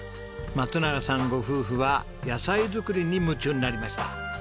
松永さんご夫婦は野菜作りに夢中になりました。